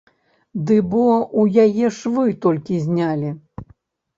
Ды бо ў яе швы толькі знялі!